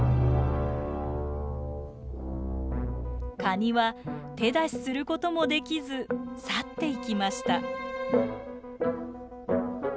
カニは手出しすることもできず去っていきました。